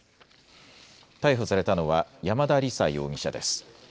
逮捕されたのは山田李沙容疑者です。